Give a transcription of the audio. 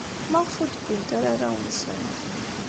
Maɣef ur d-wwint ara arraw-nsent?